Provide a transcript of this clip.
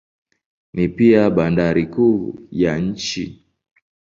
Ni pia bandari kuu ya nchi.